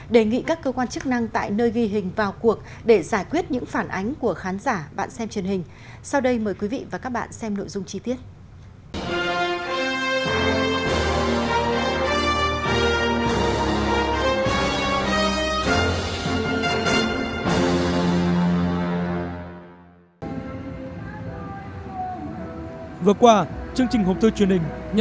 đề nghị các cơ quan chức năng tại nơi ghi hình vào cuộc để giải quyết những phản ánh của khán giả bạn xem truyền hình